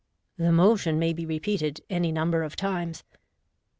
The motion may be repeated any number of times.